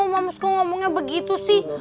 moms kok ngomongnya begitu sih